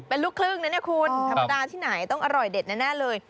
เป็นลูกครึ่งนะเนี่ยคุณธรรมดาที่ไหนต้องอร่อยเด็ดแน่เลย